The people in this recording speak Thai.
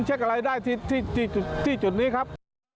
เช็คอะไรได้ที่จุดนี้ครับ